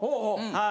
はい。